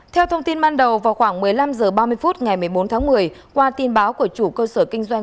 theo thông tin ban đầu vào khoảng một mươi năm h ba mươi phút ngày một mươi bốn tháng một mươi qua tin báo của chủ cơ sở kinh doanh